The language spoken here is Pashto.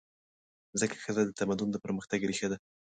ځکه ښځه د تمدن د پرمختګ ریښه ده.